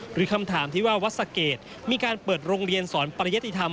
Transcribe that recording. หรือคำถามที่ว่าวัดสะเกดมีการเปิดโรงเรียนสอนปริยติธรรม